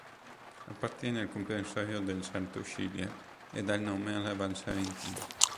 Appartiene al comprensorio del Salto-Sciliar e dà il nome alla Val Sarentino.